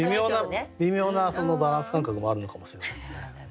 微妙なそのバランス感覚もあるのかもしれないですね。